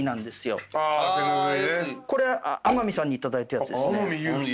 これ天海さんに頂いたやつですね。